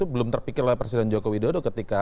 belum terpikir oleh presiden joko widodo ketika